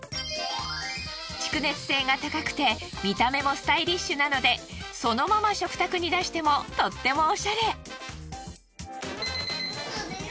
蓄熱性が高くて見た目もスタイリッシュなのでそのまま食卓に出してもとってもオシャレ。